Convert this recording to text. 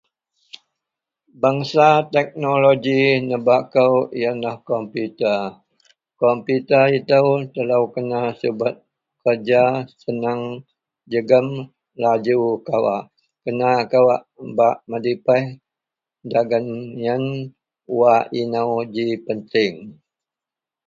Bangsa teknoloji nebak kou iyen lah komputer, komputer ito telo kena subet kerja senang jegum laju kawak kena kawak bak medipeh dagen iyen wak ino ji penting